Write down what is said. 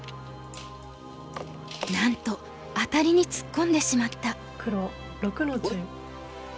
なんとアタリに突っ込んでしまった！